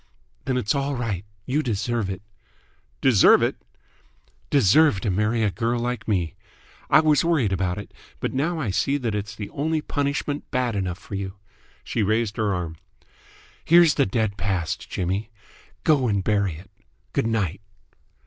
"Then it's all right. You deserve it!" "Deserve it?" "Deserve to marry a girl like me. I was worried about it, but now I see that it's the only punishment bad enough for you!" She raised her arm. "Here's the dead past, Jimmy! Go and bury it! Good night!"